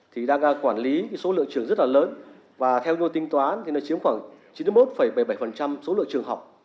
thì đang quản lý số lượng trường rất là lớn và theo nhu tinh toán thì nó chiếm khoảng chín mươi một bảy mươi bảy số lượng trường học